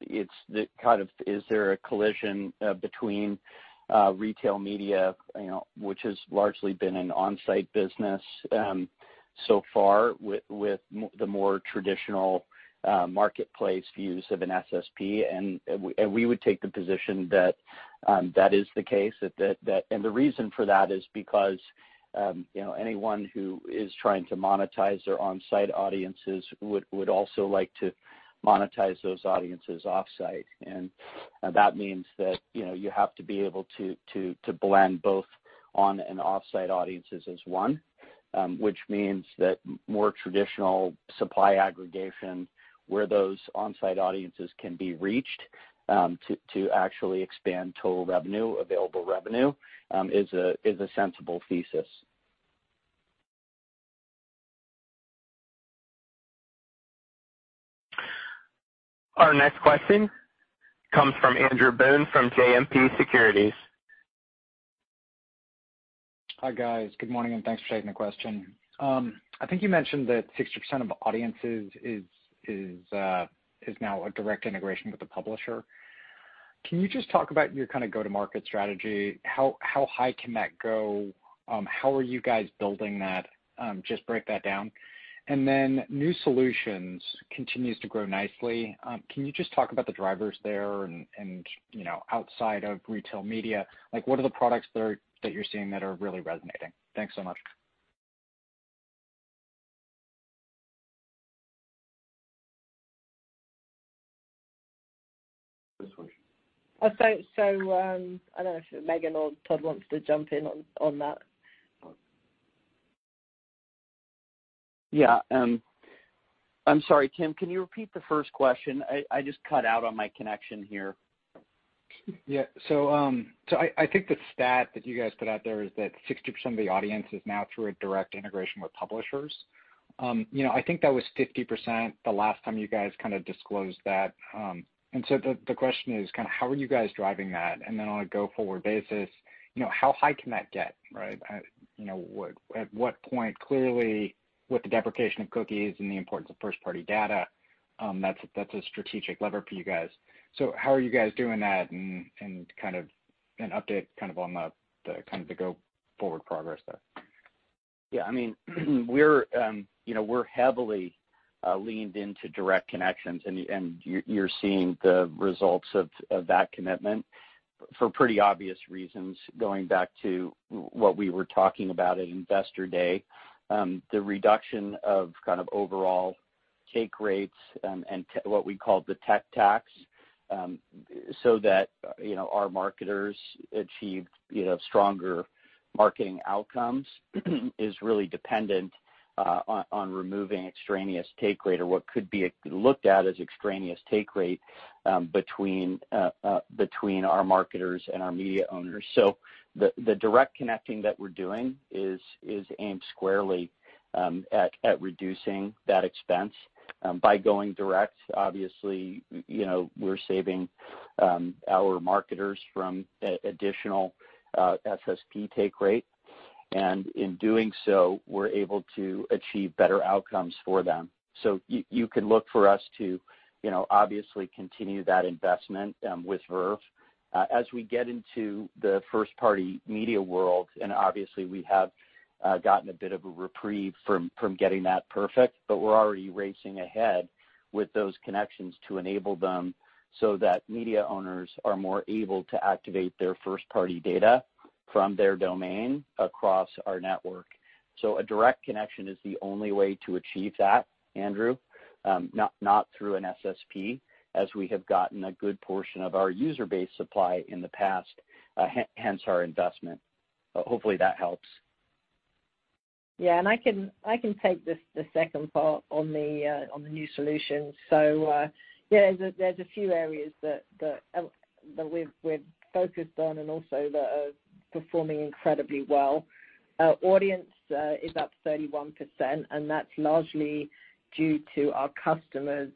Speaker 6: it is kind of is there a collision between retail media, which has largely been an on-site business so far, with the more traditional marketplace views of an SSP? We would take the position that that is the case. The reason for that is because anyone who is trying to monetize their on-site audiences would also like to monetize those audiences off-site. That means that you have to be able to blend both on and off-site audiences as one, which means that more traditional supply aggregation where those on-site audiences can be reached to actually expand total revenue, available revenue, is a sensible thesis.
Speaker 1: Our next question comes from Andrew Boone from JMP Securities.
Speaker 9: Hi, guys. Good morning. Thanks for taking the question. I think you mentioned that 60% of audiences is now a direct integration with the publisher. Can you just talk about your kind of go-to-market strategy? How high can that go? How are you guys building that? Just break that down. New solutions continues to grow nicely. Can you just talk about the drivers there and outside of retail media? What are the products that you're seeing that are really resonating? Thanks so much.
Speaker 4: This one. I don't know if Megan or Todd wants to jump in on that.
Speaker 6: Yeah. I'm sorry, Tim. Can you repeat the first question? I just cut out on my connection here.
Speaker 9: Yeah. I think the stat that you guys put out there is that 60% of the audience is now through a direct integration with publishers. I think that was 50% the last time you guys kind of disclosed that. The question is kind of how are you guys driving that? On a go-forward basis, how high can that get, right? At what point? Clearly, with the deprecation of cookies and the importance of first-party data, that's a strategic lever for you guys. How are you guys doing that and kind of an update on the go-forward progress there?
Speaker 6: Yeah. I mean, we're heavily leaned into direct connections. You are seeing the results of that commitment for pretty obvious reasons. Going back to what we were talking about at investor day, the reduction of kind of overall take rates and what we call the tech tax so that our marketers achieve stronger marketing outcomes is really dependent on removing extraneous take rate or what could be looked at as extraneous take rate between our marketers and our media owners. The direct connecting that we are doing is aimed squarely at reducing that expense. By going direct, obviously, we are saving our marketers from additional SSP take rate. In doing so, we are able to achieve better outcomes for them. You can look for us to obviously continue that investment with Verve as we get into the first-party media world. Obviously, we have gotten a bit of a reprieve from getting that perfect, but we're already racing ahead with those connections to enable them so that media owners are more able to activate their first-party data from their domain across our network. A direct connection is the only way to achieve that, Andrew, not through an SSP as we have gotten a good portion of our user base supply in the past, hence our investment. Hopefully, that helps.
Speaker 3: Yeah. I can take the second part on the new solution. Yeah, there's a few areas that we're focused on and also performing incredibly well. Audience is up 31%. That's largely due to our customers,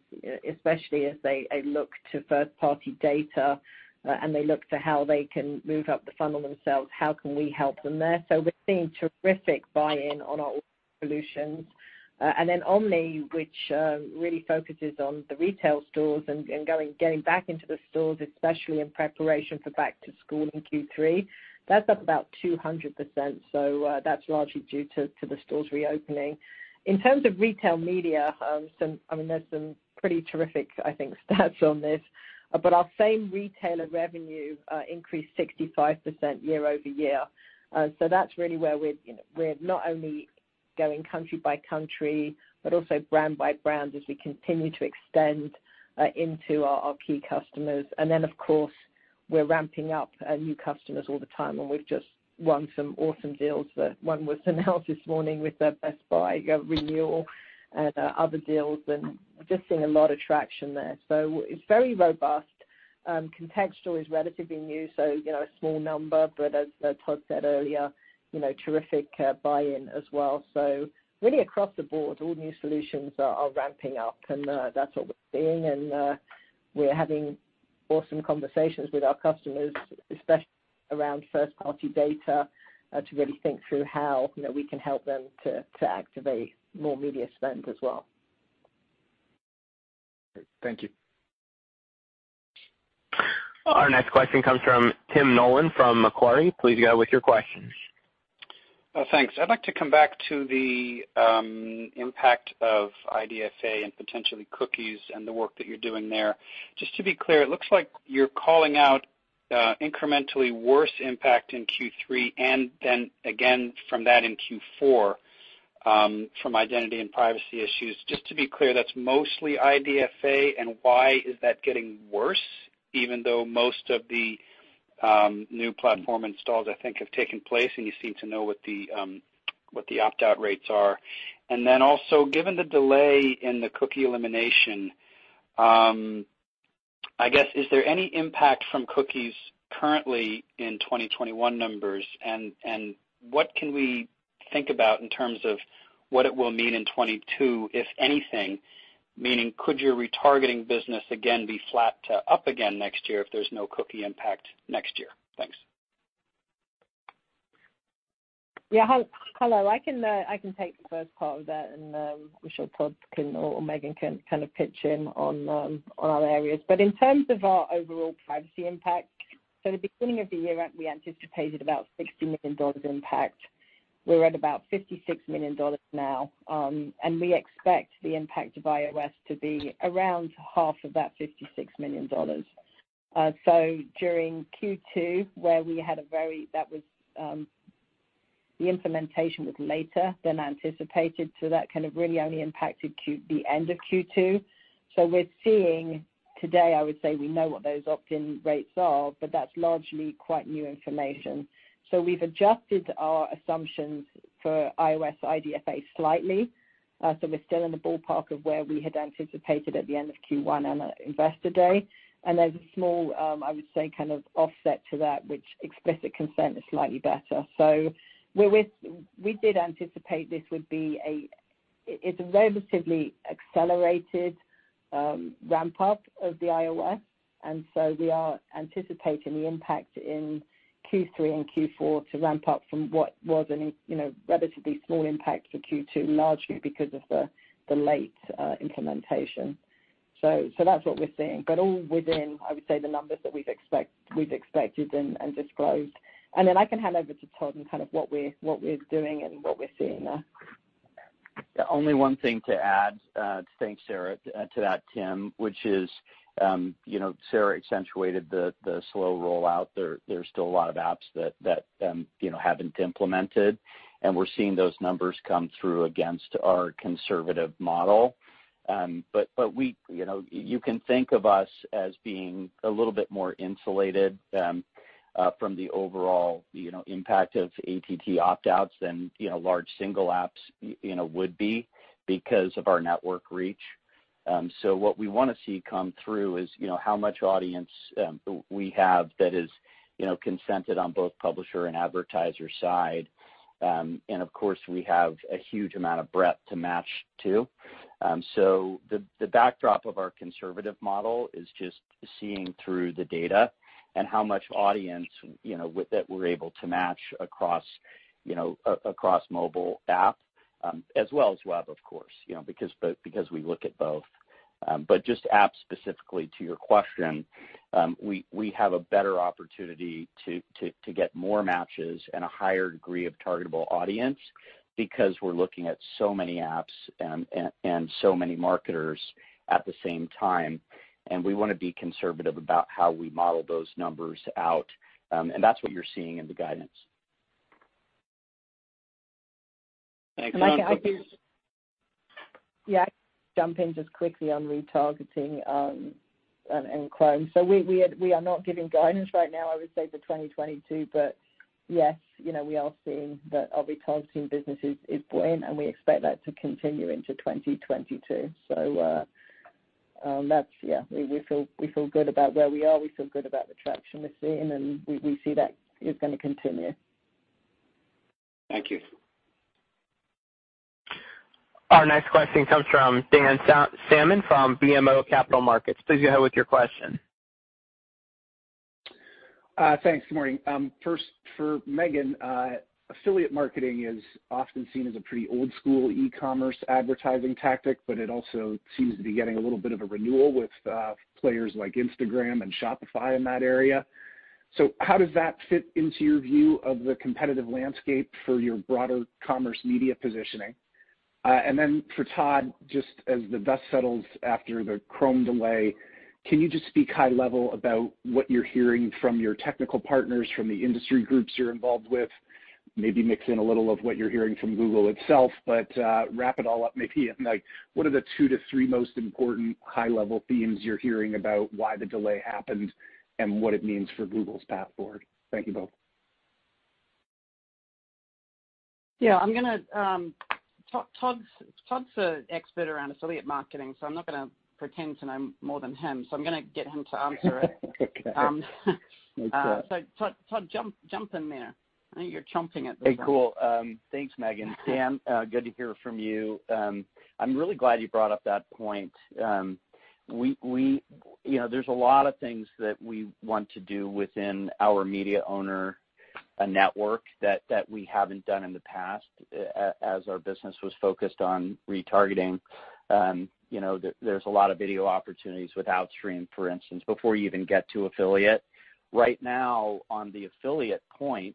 Speaker 3: especially as they look to first-party data and they look to how they can move up the funnel themselves. How can we help them there? We're seeing terrific buy-in on our solutions. Omni, which really focuses on the retail stores and getting back into the stores, especially in preparation for back-to-school in Q3, is up about 200%. That's largely due to the stores reopening. In terms of retail media, I mean, there are some pretty terrific, I think, stats on this. Our same retailer revenue increased 65% year-over-year. That's really where we're not only going country by country, but also brand by brand as we continue to extend into our key customers. Of course, we're ramping up new customers all the time. We've just won some awesome deals. One was announced this morning with Best Buy Renewal and other deals. We're just seeing a lot of traction there. It's very robust. Contextual is relatively new, so a small number. As Todd said earlier, terrific buy-in as well. Really across the board, all new solutions are ramping up. That is what we are seeing. We are having awesome conversations with our customers, especially around first-party data to really think through how we can help them to activate more media spend as well.
Speaker 9: Thank you.
Speaker 1: Our next question comes from Tim Nollen from Macquarie. Please go with your questions.
Speaker 10: Thanks. I would like to come back to the impact of IDFA and potentially cookies and the work that you are doing there. Just to be clear, it looks like you are calling out incrementally worse impact in Q3 and then again from that in Q4 from identity and privacy issues. Just to be clear, that is mostly IDFA. Why is that getting worse, even though most of the new platform installs, I think, have taken place and you seem to know what the opt-out rates are? Also, given the delay in the cookie elimination, I guess, is there any impact from cookies currently in 2021 numbers? What can we think about in terms of what it will mean in 2022, if anything? Meaning, could your retargeting business again be flat to up again next year if there is no cookie impact next year? Thanks.
Speaker 4: Yeah. Hello. I can take the first part of that. I am sure Todd or Megan can kind of pitch in on other areas. In terms of our overall privacy impact, at the beginning of the year, we anticipated about $60 million impact. We are at about $56 million now. We expect the impact of iOS to be around half of that $56 million. During Q2, the implementation was later than anticipated. That really only impacted the end of Q2. We are seeing today, I would say we know what those opt-in rates are, but that's largely quite new information. We have adjusted our assumptions for iOS IDFA slightly. We are still in the ballpark of where we had anticipated at the end of Q1 and investor day. There is a small, I would say, kind of offset to that, which is that explicit consent is slightly better. We did anticipate this would be a relatively accelerated ramp-up of the iOS. We are anticipating the impact in Q3 and Q4 to ramp up from what was a relatively small impact for Q2, largely because of the late implementation. That is what we are seeing. All within, I would say, the numbers that we have expected and disclosed. I can hand over to Todd and what we are doing and what we are seeing there.
Speaker 6: The only one thing to add, thanks, Sarah, to that, Tim, which is Sarah accentuated the slow rollout. There are still a lot of apps that have not implemented. We are seeing those numbers come through against our conservative model. You can think of us as being a little bit more insulated from the overall impact of ATT opt-outs than large single apps would be because of our network reach. What we want to see come through is how much audience we have that is consented on both publisher and advertiser side. Of course, we have a huge amount of breadth to match to. The backdrop of our conservative model is just seeing through the data and how much audience that we're able to match across mobile app, as well as web, because we look at both. Just app specifically to your question, we have a better opportunity to get more matches and a higher degree of targetable audience because we're looking at so many apps and so many marketers at the same time. We want to be conservative about how we model those numbers out. That's what you're seeing in the guidance.
Speaker 10: Thanks.
Speaker 3: Yeah. I can jump in just quickly on retargeting and Chrome. We are not giving guidance right now, I would say, for 2022. Yes, we are seeing that our retargeting business is buoyant. We expect that to continue into 2022. Yeah, we feel good about where we are. We feel good about the traction we're seeing. We see that is going to continue.
Speaker 10: Thank you.
Speaker 1: Our next question comes from Dan Salmon from BMO Capital Markets. Please go ahead with your question.
Speaker 11: Thanks. Good morning. First, for Megan, affiliate marketing is often seen as a pretty old-school e-commerce advertising tactic, but it also seems to be getting a little bit of a renewal with players like Instagram and Shopify in that area. How does that fit into your view of the competitive landscape for your broader commerce media positioning? And then for Todd, just as the dust settles after the Chrome delay, can you just speak high level about what you're hearing from your technical partners, from the industry groups you're involved with? Maybe mix in a little of what you're hearing from Google itself, but wrap it all up maybe in what are the two to three most important high-level themes you're hearing about why the delay happened and what it means for Google's path forward? Thank you both.
Speaker 3: Yeah. Todd's an expert around affiliate marketing. I am not going to pretend to know more than him. I am going to get him to answer it. Todd, jump in there. I think you're chomping at the top.
Speaker 6: Hey, cool. Thanks, Megan. Dan, good to hear from you. I'm really glad you brought up that point. There's a lot of things that we want to do within our media owner network that we haven't done in the past as our business was focused on retargeting. There's a lot of video opportunities with Outstream, for instance, before you even get to affiliate. Right now, on the affiliate point,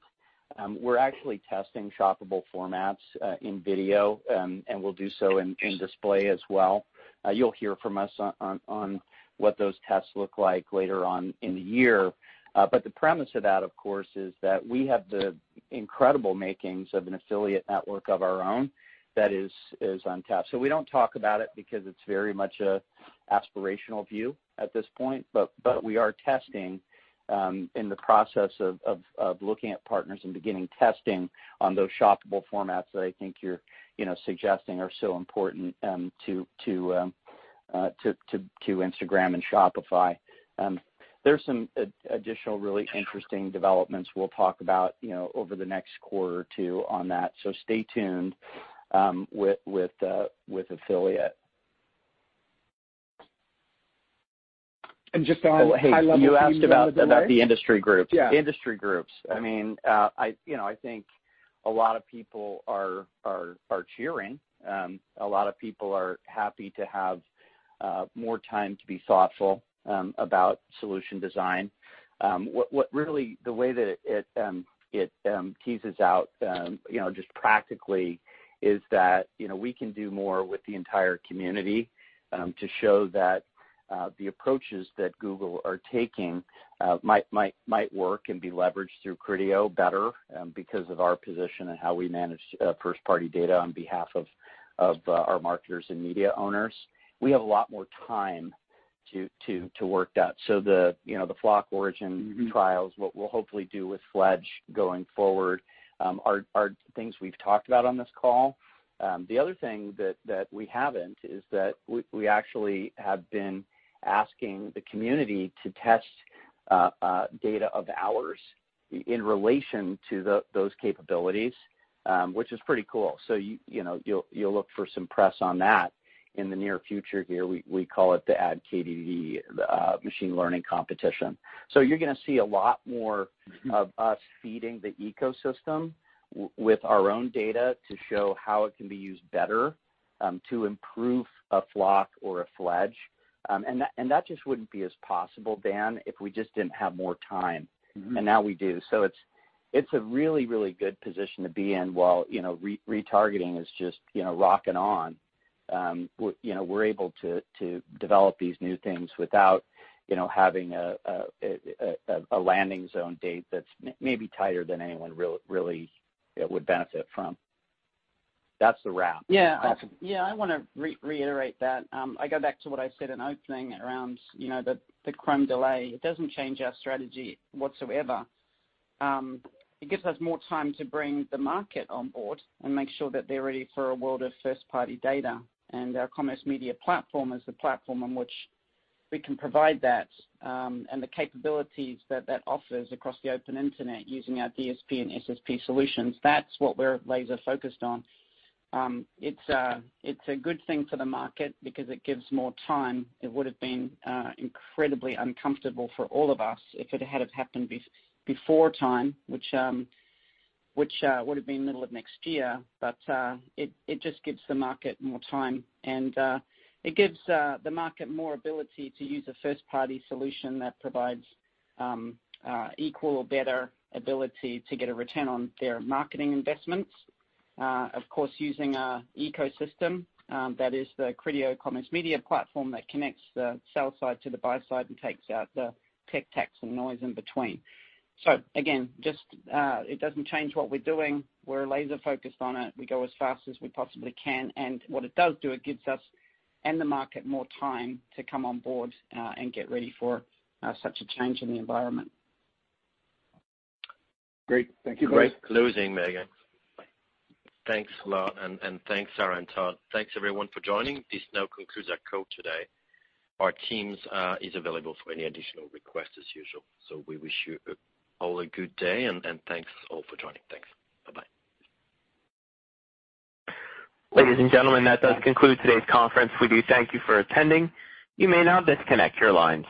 Speaker 6: we're actually testing shoppable formats in video. We'll do so in display as well. You'll hear from us on what those tests look like later on in the year. The premise of that, of course, is that we have the incredible makings of an affiliate network of our own that is untapped. We don't talk about it because it's very much an aspirational view at this point. We are testing in the process of looking at partners and beginning testing on those shoppable formats that I think you're suggesting are so important to Instagram and Shopify. There's some additional really interesting developments we'll talk about over the next quarter or two on that. Stay tuned with affiliate. Just on high-level business development. You asked about the industry groups. Yeah. Industry groups. I mean, I think a lot of people are cheering. A lot of people are happy to have more time to be thoughtful about solution design. Really, the way that it teases out just practically is that we can do more with the entire community to show that the approaches that Google are taking might work and be leveraged through Criteo better because of our position and how we manage first-party data on behalf of our marketers and media owners. We have a lot more time to work that. The Flock origin trials, what we'll hopefully do with Fledge going forward, are things we've talked about on this call. The other thing that we haven't is that we actually have been asking the community to test data of ours in relation to those capabilities, which is pretty cool. You'll look for some press on that in the near future here. We call it the Ad KDD machine learning competition. You're going to see a lot more of us feeding the ecosystem with our own data to show how it can be used better to improve a Flock or a Fledge. That just wouldn't be as possible, Dan, if we just didn't have more time. Now we do. It's a really, really good position to be in while retargeting is just rocking on. We're able to develop these new things without having a landing zone date that's maybe tighter than anyone really would benefit from. That's the wrap.
Speaker 3: Yeah. Yeah. I want to reiterate that. I go back to what I said in opening around the Chrome delay. It doesn't change our strategy whatsoever. It gives us more time to bring the market on board and make sure that they're ready for a world of first-party data. Our Commerce Media Platform is the platform on which we can provide that. The capabilities that that offers across the open internet using our DSP and SSP solutions, that's what we're laser-focused on. It's a good thing for the market because it gives more time. It would have been incredibly uncomfortable for all of us if it had happened before time, which would have been middle of next year. It just gives the market more time. It gives the market more ability to use a first-party solution that provides equal or better ability to get a return on their marketing investments, of course, using our ecosystem that is the Criteo Commerce Media Platform that connects the sell side to the buy side and takes out the tech tax and noise in between. It does not change what we are doing. We are laser-focused on it. We go as fast as we possibly can. What it does do, it gives us and the market more time to come on board and get ready for such a change in the environment.
Speaker 11: Great. Thank you both.
Speaker 2: Great closing, Megan. Thanks a lot. Thanks, Sarah and Todd. Thanks, everyone, for joining. This now concludes our call today. Our Teams is available for any additional requests as usual. We wish you all a good day. Thanks all for joining. Thanks. Bye-bye.
Speaker 1: Ladies and gentlemen, that does conclude today's conference. We do thank you for attending. You may now disconnect your lines.